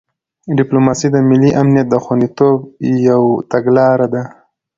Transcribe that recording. ډیپلوماسي د ملي امنیت د خوندیتوب یو تګلاره ده.